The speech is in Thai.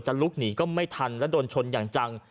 ลุกหนีก็ไม่ทันและโดนชนอย่างจัง